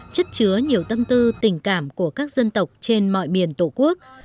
chất chứa nhiều tâm tư tình cảm của các dân tộc trên mọi miền tổ quốc